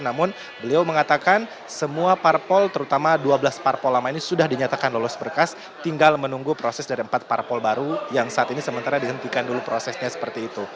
namun beliau mengatakan semua parpol terutama dua belas parpol lama ini sudah dinyatakan lolos berkas tinggal menunggu proses dari empat parpol baru yang saat ini sementara dihentikan dulu prosesnya seperti itu